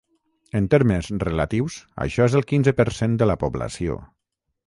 En termes relatius, això és el quinze per cent de la població.